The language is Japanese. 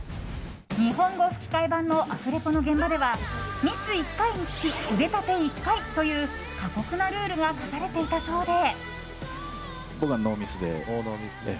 日本語吹き替え版のアフレコの現場ではミス１回につき腕立て１回という過酷なルールが課されていたそうで。